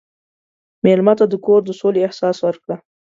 مېلمه ته د کور د سولې احساس ورکړه.